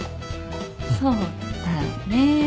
そうだよね。